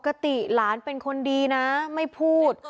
ปกติหลานเป็นคนดีนะไม่พูด